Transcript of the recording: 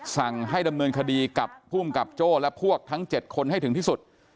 สั่งให้ดำเนินคดีกับภูมิกับโจ้และพวกทั้ง๗คนให้ถึงที่สุด